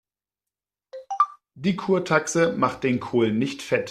Die Kurtaxe macht den Kohl nicht fett.